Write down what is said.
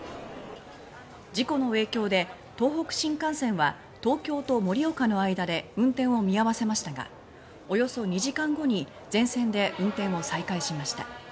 事故の影響で、東北新幹線は東京と盛岡の間の上下で運転を見合わせましたがおよそ２時間後に全線で運転を再開しました。